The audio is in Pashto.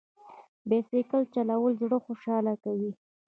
بایسکل چلول زړه خوشحاله کوي.